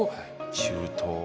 中東